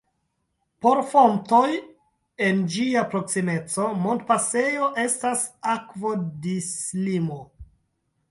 Por fontoj en ĝia proksimeco montpasejo estas akvodislimo.